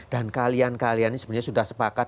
dan kalian kalian sebenarnya sudah sepakat